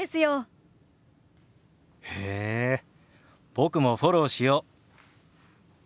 僕もフォローしよう。